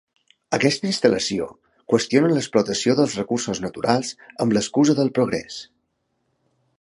Aquesta instal·lació qüestiona l’explotació dels recursos naturals amb l’excusa del progrés.